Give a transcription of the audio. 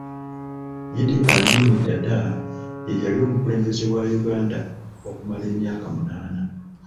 Idi Amin Dada ye yali omukulembeze wa Uganda okumala emyaka munaana.